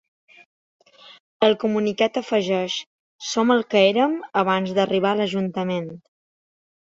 El comunicat afegeix: Som el que érem abans d’arribar a l’ajuntament.